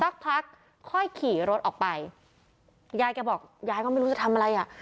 สักพักค่อยขี่รถออกไปยายแกบอกยายก็ไม่รู้จะทำอะไรอ่ะ